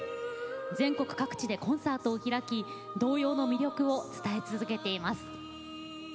全国各地でコンサートを開き童謡の魅力を伝え続けています。